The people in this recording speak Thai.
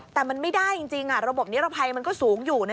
แต่มันไม่ได้จริงระบบนิรภัยมันก็สูงอยู่